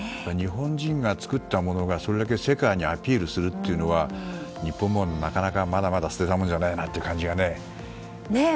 日本人が作ったものがそれだけ世界にアピールするというのは、日本もまだまだ捨てたものじゃないなという感じがね。